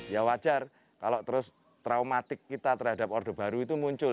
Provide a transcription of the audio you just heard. ya wajar kalau terus traumatik kita terhadap orde baru itu muncul